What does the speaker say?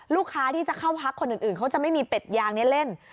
ลูกค้าที่จะเข้าพักคนอื่นเขาจะไม่มีเป็ดยางนี้เล่น